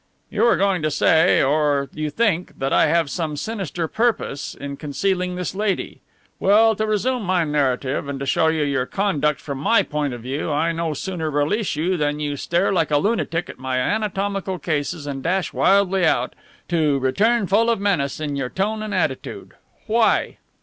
"You were going to say, or you think, that I have some sinister purpose in concealing this lady. Well, to resume my narrative, and to show you your conduct from my point of view, I no sooner release you than you stare like a lunatic at my anatomical cases and dash wildly out, to return full of menace in your tone and attitude. Why?"